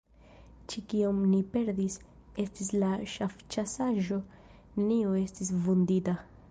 Ĉio kion ni perdis, estis la ŝafĉasaĵo; neniu estis vundita.